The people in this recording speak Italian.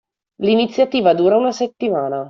L’iniziativa dura una settimana